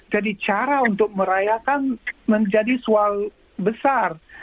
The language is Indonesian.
jadi cara untuk merayakan menjadi sual besar